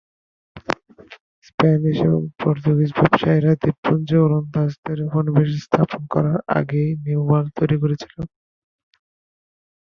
Spanish এবং Portuguese ব্যবসায়ীরা দ্বীপপুঞ্জে ওলন্দাজদের উপনিবেশ স্থাপন করার আগেই নিউ ওয়ার্ল্ড তৈরি করেছিল।